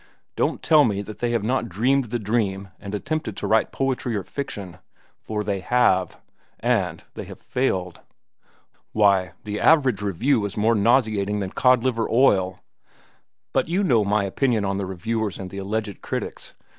Don't tell me that they have not dreamed the dream and attempted to write poetry or fiction; for they have, and they have failed. Why, the average review is more nauseating than cod liver oil. But you know my opinion on the reviewers and the alleged critics.